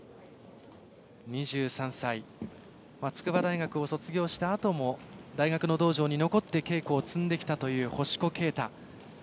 ２３歳筑波大学を卒業したあとも大学の道場に残って稽古を積んできた星子啓太。